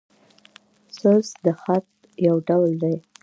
ثلث د خط؛ یو ډول دﺉ.